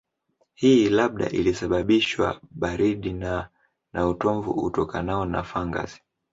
Hii labda ilisababishwa baridi na na utomvu utokanao na fangasi